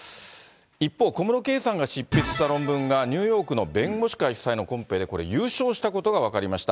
一方、小室圭さんが執筆した論文が、ニューヨークの弁護士会主催のコンペで、これ、優勝したことが分かりました。